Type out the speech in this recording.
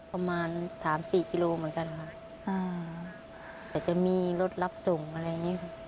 ประมาณสามสี่กิโลเหมือนกันค่ะแต่จะมีรถรับส่งอะไรอย่างนี้ค่ะ